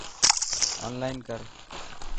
اونلائن ڪر.